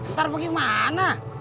ntar pergi kemana